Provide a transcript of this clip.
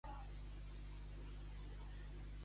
De Corbera i dolces!